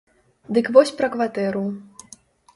Дык вось пра кватэру.